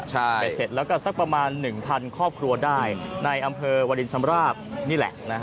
ใช่ไปเสร็จแล้วก็สักประมาณหนึ่งพันครอบครัวได้ในอำเภอวาลินชำราบนี่แหละนะฮะ